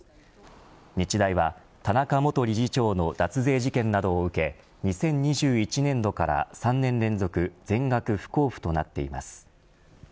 日大は田中元理事長の脱税事件などを受け２０２１年度から３年連続全額不交付となっています。